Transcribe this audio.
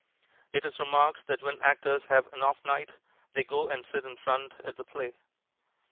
It is remarked that when actors have an off night they go and sit in front at the play.